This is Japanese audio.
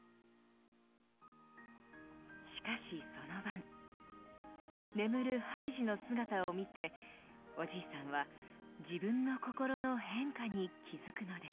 しかしその晩眠るハイジの姿を見ておじいさんは自分の心の変化に気付くのです。